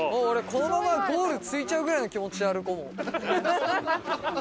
俺このままゴール着いちゃうぐらいの気持ちで歩こう。